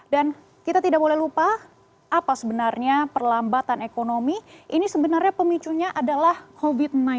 dan kita tidak boleh lupa apa sebenarnya perlambatan ekonomi ini sebenarnya pemicunya adalah covid sembilan belas